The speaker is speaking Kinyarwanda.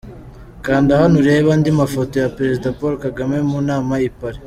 Kanda hano urebe andi mafoto ya Perezida Paul Kagame mu nama i Paris.